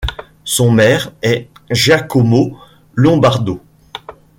Son maire est Giacomo Lombardo.